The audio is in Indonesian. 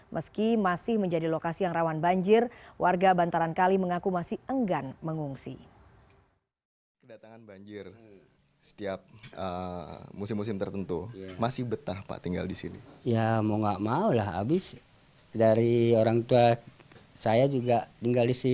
meski masih menjadi lokasi yang rawan banjir warga bantaran kali mengaku masih enggan mengungsi